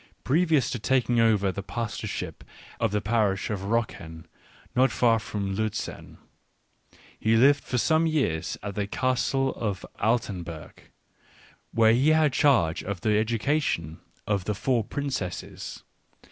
Previous to taking over the pastorship of the parish of Rocken, not far from Liitzen, he lived for some years at the Castle of Altenburg, where he had charge of the education of the four princesses.